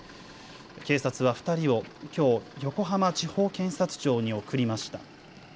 警察は２人をきょう横浜地方検察庁に送りました。